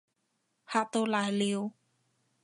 嚇到瀨尿